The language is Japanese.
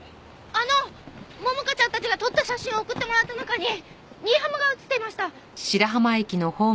あの桃香ちゃんたちが撮った写真を送ってもらった中に新浜が写っていました！